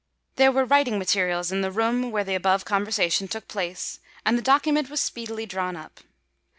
There were writing materials in the room where the above conversation took place; and the document was speedily drawn up.